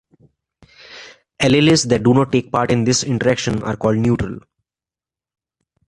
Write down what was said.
Alleles that do not take part in this interaction are called neutral.